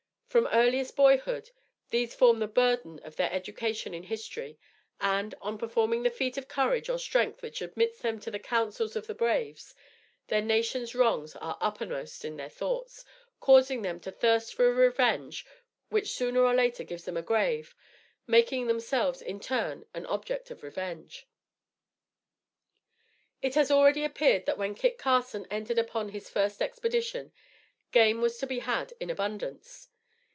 From earliest boyhood these form the burden of their education in history; and, on performing the feat of courage or strength which admits them to the councils of the braves, their nation's wrongs are uppermost in their thoughts, causing them to thirst for a revenge which sooner or later gives them a grave, making themselves, in turn, an object of revenge. It has already appeared that when Kit Carson entered upon his first expedition, game was to be had in abundance.